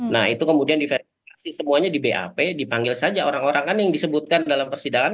nah itu kemudian diverifikasi semuanya di bap dipanggil saja orang orang kan yang disebutkan dalam persidangan